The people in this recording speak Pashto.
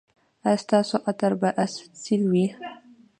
ایا ستاسو عطر به اصیل وي؟